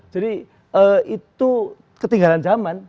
jadi itu ketinggalan zaman